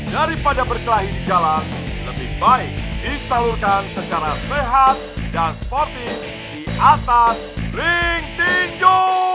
daripada berkelahi di jalan lebih baik disalurkan secara sehat dan sportif di atas ring tinco